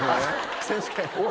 選手権。